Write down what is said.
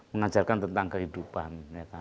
mengajarkan tentang kehidupan